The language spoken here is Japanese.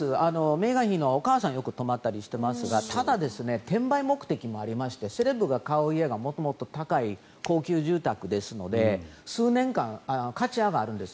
メーガン妃のお母さんが止まったりしていますがただ、転売目的もありましてセレブが買う家が元々高い高級住宅ですので数年間、価値が上がるんです。